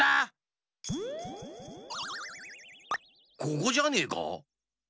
ここじゃねえか？